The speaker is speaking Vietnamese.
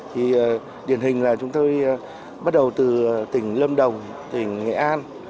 thì điển hình là chúng tôi bắt đầu từ tỉnh lâm đồng tỉnh nghệ an